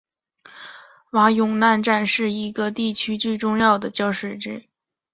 瓦永纳站是这一地区的一个重要交通枢纽。